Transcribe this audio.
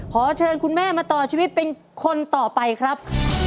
ขอเชิญคุณแม่มาต่อชีวิตเป็นคนต่อไปครับ